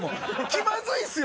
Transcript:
気まずいんですよ